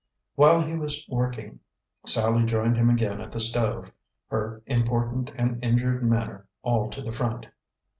While he was working Sallie joined him again at the stove, her important and injured manner all to the front.